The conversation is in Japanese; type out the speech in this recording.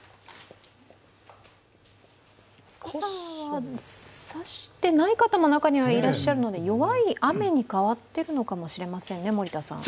傘はさしてない方も中にはいらっしゃるので弱い雨に変わっているのかもしれませんね。